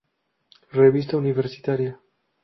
Revista Universitaria.